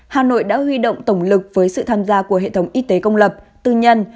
hà nội đã huy động tổng lực với sự tham gia của hệ thống y tế công lập tư nhân